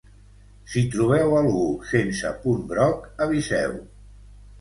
Si trobeu algú sense punt groc aviseu.